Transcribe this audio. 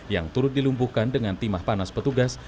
yang turut dilumpuhkan dengan timah panas petugas